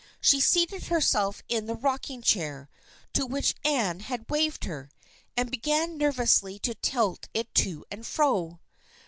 She seated herself in the rocking chair, to which Anne had waved her, and began nervously to tilt it to and fro.